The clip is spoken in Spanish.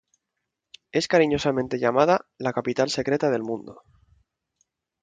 Es cariñosamente llamada "La capital secreta del mundo".